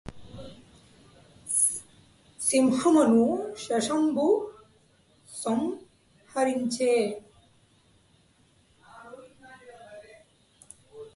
సింహమును శశంబు సంహరించె